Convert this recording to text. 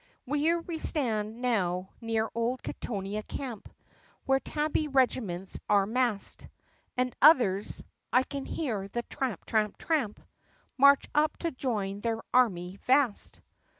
"Here stand we now near old Kittonia Camp Where tabby regiments are massed, And others (I can hear the tramp ! tramp l tramp!') March up to join their army vast.